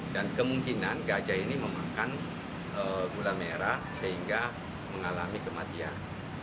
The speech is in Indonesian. dan kemungkinan gajah ini memakan gula merah sehingga mengalami kematian